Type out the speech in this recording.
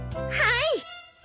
はい。